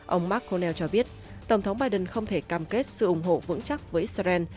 ông marconell cho biết tổng thống biden không thể cam kết sự ủng hộ vững chắc với israel